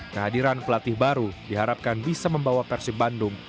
kehadiran pelatih baru diharapkan bisa membawa persib bandung